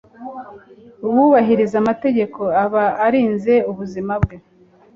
Uwubahiriza amategeko aba arinze ubuzima bwe